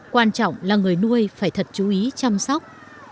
quan trọng là người nuôi phải thật chú ý chăm sóc